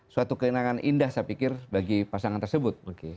suatu kenangan indah saya pikir bagi pasangan tersebut